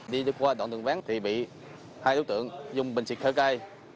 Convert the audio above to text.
đi qua đoạn đường ván thì bị hai đối tượng dùng bình xịt hơi cay